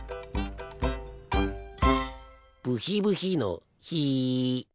ブヒブヒのヒ。